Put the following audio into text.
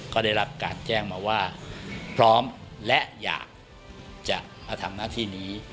ก็ได้รับการแจ้งมาว่าพร้อมและอยากจะมาทำหน้าที่นี้